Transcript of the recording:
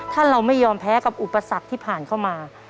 ถ้าเราไม่ยอมแพ้กับอุปสรรคที่ผ่านเข้ามา